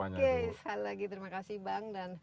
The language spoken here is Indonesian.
oke sekali lagi terima kasih bang dan